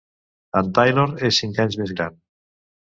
En Taylor és cinc anys més gran.